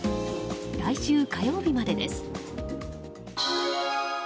来週火曜日までです。